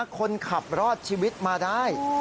คนขับรอดชีวิตมาได้